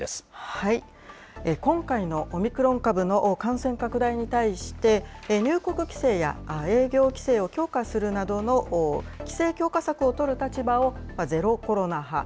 今回のオミクロン株の感染拡大に対して、入国規制や営業規制を強化するなどの規制強化策を取る立場をゼロコロナ派。